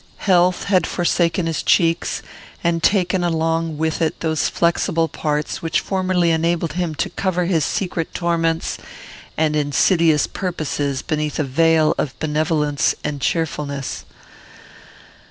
Health had forsaken his cheeks, and taken along with it those flexible parts which formerly enabled him to cover his secret torments and insidious purposes beneath a veil of benevolence and cheerfulness.